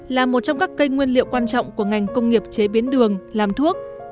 là một trong các cây nguyên liệu quan trọng của ngành công nghiệp chế biến đường làm thuốc